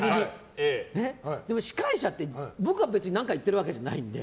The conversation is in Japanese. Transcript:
でも司会者って僕が別に何か言ってるわけじゃないので。